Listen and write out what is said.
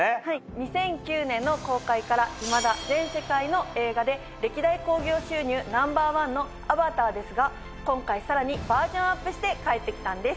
２００９年の公開からいまだ全世界の映画で歴代興行収入Ｎｏ．１の『アバター』ですが今回さらにバージョンアップして帰って来たんです。